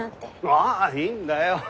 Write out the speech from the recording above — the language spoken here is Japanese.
ああいいんだよ。